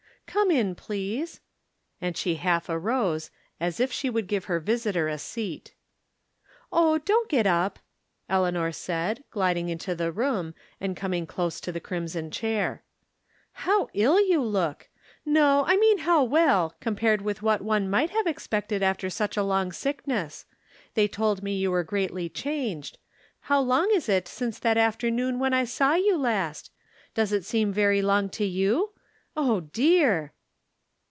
" Come in, please," and she half arose, as if she would give her visitor a seat. " Oh, don't get up," Eleanor said, gliding into the room, and coming close to the crimson chair. " How ill you look ! No, I mean how well, com pared with • what one might have expected after such a long sickness. They told me you were 331 . 332 From Different Standpoints. greatly changed. How long is it since that after noon when I saw you last ? Does it seem very long to yon ? Oh, dear